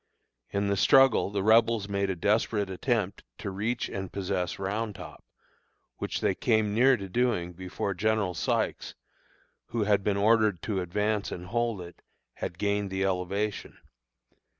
In the struggle the Rebels made a desperate attempt to reach and possess Round Top, which they came near doing before General Sykes, who had been ordered to advance and hold it, had gained the elevation.